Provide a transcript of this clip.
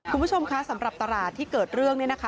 คุณผู้ชมคะสำหรับตลาดที่เกิดเรื่องเนี่ยนะคะ